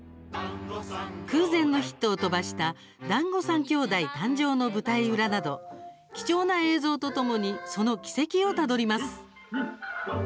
空前のヒットを飛ばした「だんご３兄弟」誕生の舞台裏など、貴重な映像とともにその軌跡をたどります。